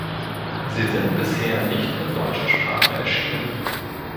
Sie sind bisher nicht in deutscher Sprache erschienen.